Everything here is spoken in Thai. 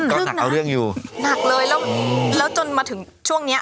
ก็หนักเอาเรื่องอยู่หนักเลยแล้วแล้วจนมาถึงช่วงเนี้ย